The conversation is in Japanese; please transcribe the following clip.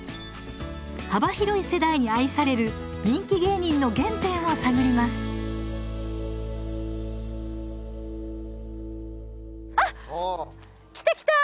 幅広い世代に愛される人気芸人の原点を探りますあっ来た来た。